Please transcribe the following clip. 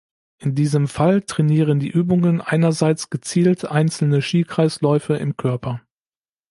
In diesem Fall trainieren die Übungen einerseits gezielt einzelne Qi-Kreisläufe im Körper.